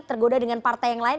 tergoda dengan partai yang lain